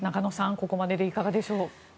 ここまででいかがでしょう。